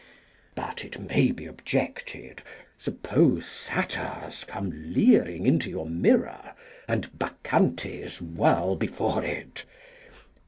But, it may be objected, suppose Satyrs come leering into your mirror and Bacchantes whirl before it?